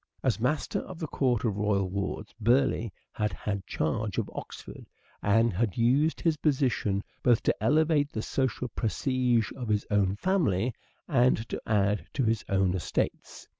As master of the court of royal wards, Burleigh had had charge of Oxford and had used his position both to elevate the social prestige of his own family and to add to his own estates.